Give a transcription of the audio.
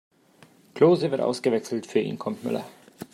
Klose wird ausgewechselt, für ihn kommt Müller.